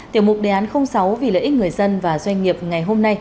tiểu mục đề án sáu vì lợi ích người dân và doanh nghiệp ngày hôm nay